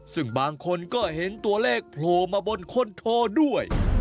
ซึ่งบางคนก็เห็นตัวเลขโผล่มาบนคนโทด้วย